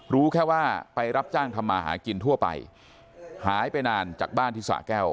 รู้แค่ว่าไปรับจ้างทำมาหากินทั่วไปหายไปนานจากบ้านที่สะแก้ว